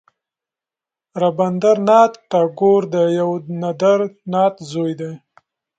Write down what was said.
رابندر ناته ټاګور د دیو ندر ناته زوی دی.